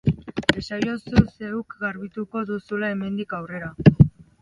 Esaiozu zeuk garbituko duzula hemendik aurrera.